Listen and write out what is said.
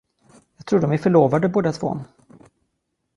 Jag tror att de är förlovade, båda två.